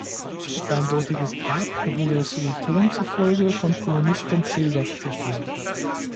Sein dortiges Grab wurde Sueton zufolge von Kolonisten Caesars zerstört.